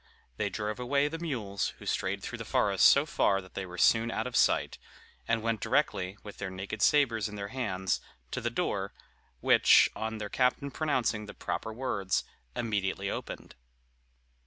They drove away the mules, who strayed through the forest so far that they were soon out of sight, and went directly, with their naked sabres in their hands, to the door, which, on their captain pronouncing the proper words, immediately opened.